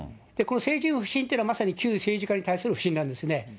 この政治不信というのは、まさに旧政治家に対する不信なんですね。